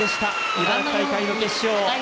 茨城大会の決勝。